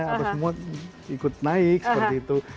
atau semua ikut naik seperti itu